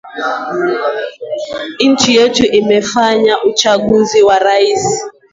nchi yetu imefanya uchaguzi wa urais